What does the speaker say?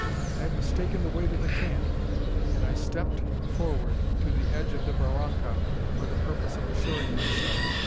"I have mistaken the way to the camp!" and I stepped forward to the edge of the barranca for the purpose of assuring myself.